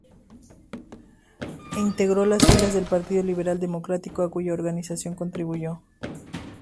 Integró las filas del Partido Liberal Democrático, a cuya organización contribuyó.